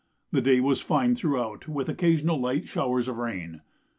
The day was fine throughout, with occasional light showers of rain.